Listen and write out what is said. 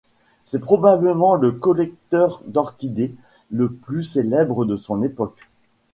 C'est probablement le collecteur d'orchidées le plus célèbre de son époque.